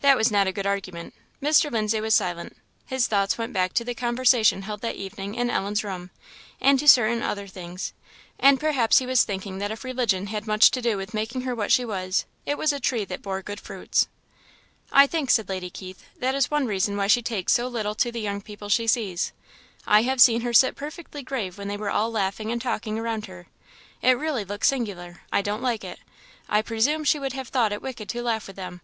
That was not a good argument. Mr. Lindsay was silent; his thoughts went back to the conversation held that evening in Ellen's room, and to certain other things; and perhaps he was thinking that if religion had much to do with making her what she was, it was a tree that bore good fruits. "I think," said Lady Keith, "that is one reason why she takes so little to the young people she sees. I have seen her sit perfectly grave when they were all laughing and talking around her it really looks singular I don't like it I presume she would have thought it wicked to laugh with them.